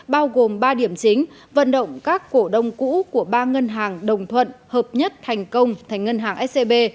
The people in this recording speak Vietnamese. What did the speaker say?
bao gồm ba điểm chính vận động các cổ đông cũ của ba ngân hàng đồng thuận hợp nhất thành công thành ngân hàng scb